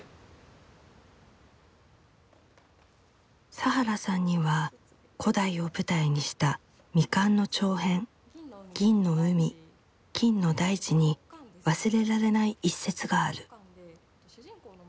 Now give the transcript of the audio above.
佐原さんには古代を舞台にした未完の長編「銀の海金の大地」に忘れられない一節がある。